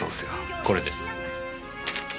これです。